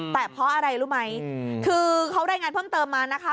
แต่เพราะอะไรรู้ไหมคือเขารายงานเพิ่มเติมมานะคะ